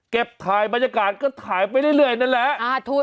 ถ่ายบรรยากาศก็ถ่ายไปเรื่อยนั่นแหละ